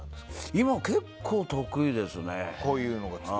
今は結構、得意ですね。